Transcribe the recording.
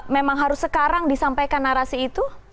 memang harus sekarang disampaikan narasi itu